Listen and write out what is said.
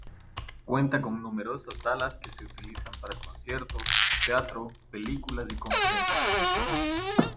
Cuenta con numerosas salas que se utilizan para conciertos, teatro, películas y conferencias.